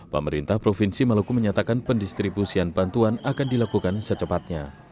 pemerintah provinsi maluku menyatakan pendistribusian bantuan akan dilakukan secepatnya